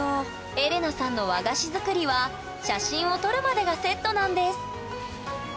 エレナさんの和菓子作りは写真を撮るまでがセットなんです！